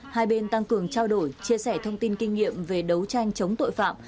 hai bên tăng cường trao đổi chia sẻ thông tin kinh nghiệm về đấu tranh chống tội phạm